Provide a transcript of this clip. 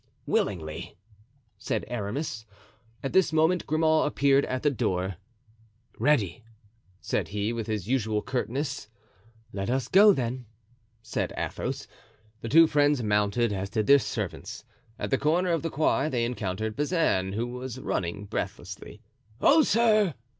"Willingly," said Aramis. At this moment Grimaud appeared at the door. "Ready," said he, with his usual curtness. "Let us go, then," said Athos. The two friends mounted, as did their servants. At the corner of the Quai they encountered Bazin, who was running breathlessly. "Oh, sir!"